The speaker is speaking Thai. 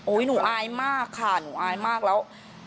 หนูอายมากค่ะหนูอายมากแล้ว